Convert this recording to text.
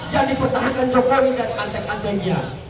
yang dipertahankan jokowi dan antek antegia